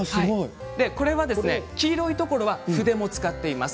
黄色いところは筆も使っています。